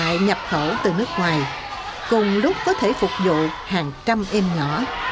những đại nhập khẩu từ nước ngoài cùng lúc có thể phục vụ hàng trăm em nhỏ